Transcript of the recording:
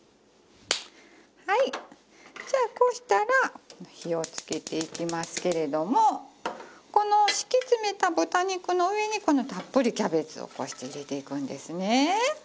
じゃあこうしたら火をつけていきますけれどもこの敷き詰めた豚肉の上にたっぷりキャベツをこうして入れていくんですね。